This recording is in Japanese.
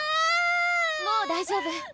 もう大丈夫！